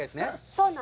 そうなの。